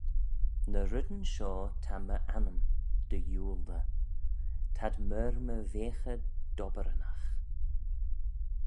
"Ny reddyn shoh ta my annym dy yiooldey; t'ad myr my veaghey dobberanagh."